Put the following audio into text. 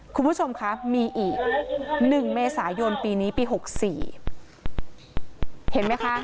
คุณผู้ชมคะมีอีกหนึ่งเมษายนปีนี้ปี๖๔เห็นไหมคะ